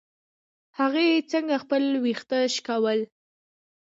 هغې څنګه خپل ويښته شکول.